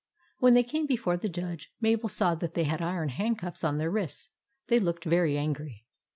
When they came before the Judge, Mabel saw that they had iron hand cuffs on their wrists. They looked very angry.